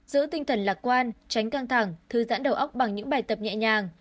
giữ tinh thần lạc quan tránh căng thẳng thư giãn đầu óc bằng những bài tập nhẹ nhàng